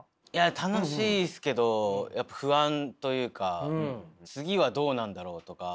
楽しいですけどやっぱ不安というか次はどうなんだろうとか。